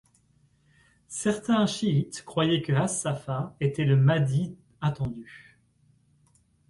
Certains chiites croyaient que As-Saffâh était le mahdi attendu.